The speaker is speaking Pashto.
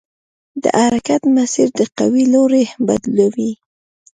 د حرکت مسیر د قوې لوری بدلوي.